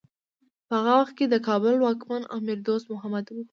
په هغه وخت کې د کابل واکمن امیر دوست محمد و.